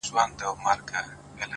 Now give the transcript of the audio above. د يو ښايستې سپيني كوتري په څېر-